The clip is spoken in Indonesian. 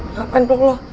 ngapain peluk lo